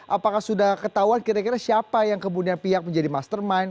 apakah sudah ketahuan kira kira siapa yang kemudian pihak menjadi mastermind